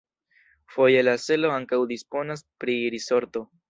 Foje la selo ankaŭ disponas pri risorto.